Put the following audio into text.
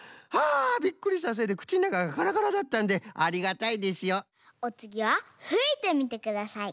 あビックリしたせいでくちのなかがカラカラだったんでありがたいですよ！おつぎはふいてみてください。